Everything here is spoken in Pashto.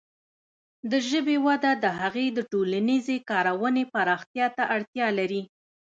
د ژبې وده د هغې د ټولنیزې کارونې پراختیا ته اړتیا لري.